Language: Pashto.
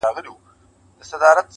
شیخه په خلکو به دې زر ځله ریا ووینم!!